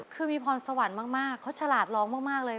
คือมีพรสวรรค์มากเขาฉลาดร้องมากเลย